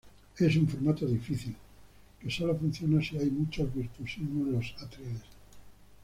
Es un formato difícil que sólo funciona si hay mucho virtuosismo en los atriles.